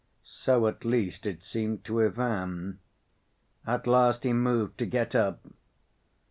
So at least it seemed to Ivan. At last he moved to get up.